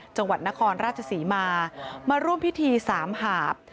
จังหวัดนครราชศรีมามาร่วมพิธีสามหาบ